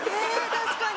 確かに。